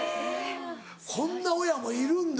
・こんな親もいるんだ。